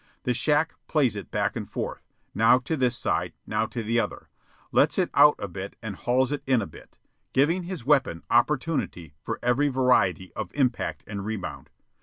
The shack plays it back and forth, now to this side, now to the other, lets it out a bit and hauls it in a bit, giving his weapon opportunity for every variety of impact and rebound.